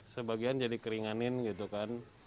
sebagian jadi keringanin gitu kan